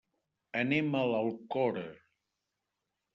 Anem a l'Alcora.